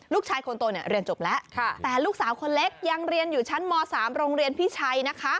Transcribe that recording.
ลูกชายคนโตเนี่ยเรียนจบแล้วแต่ลูกสาวคนเล็กยังเรียนอยู่ชั้นม๓โรงเรียนพี่ชัยนะคะ